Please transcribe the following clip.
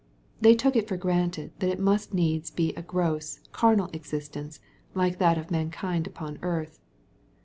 They took it for granted that it most needs be a gross^ carnal existence, like that of mankind upon earth.